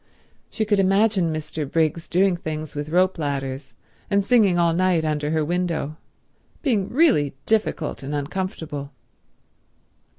She could imagine Mr. Briggs doing things with rope ladders, and singing all night under her window—being really difficult and uncomfortable.